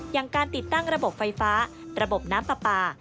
อย่างการติดตั้งระบบไฟฟ้าระบบน้ำปลาปลา